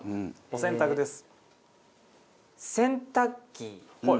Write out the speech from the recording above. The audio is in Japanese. お洗濯です。